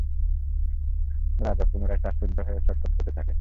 রাজা পুনরায় শ্বাসরুদ্ধ হয়ে ছটফট করতে থাকে।